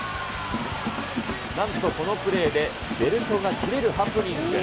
なんとこのプレーで、ベルトが切れるハプニング。